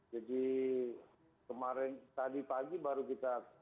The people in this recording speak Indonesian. kemarin tadi pagi baru kita